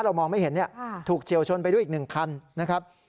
เรามองไม่เห็นเนี่ยถูกเฉียวชนไปด้วยอีกหนึ่งคันนะครับ